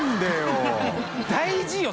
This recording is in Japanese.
大事よ？